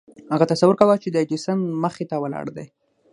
هغه تصور کاوه چې د ايډېسن مخې ته ولاړ دی.